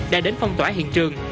đã đến phong tỏa hiện trường